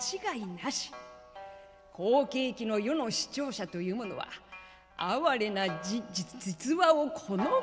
好景気の世の視聴者というものは哀れな実話を好む」。